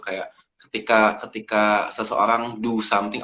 kayak ketika seseorang do something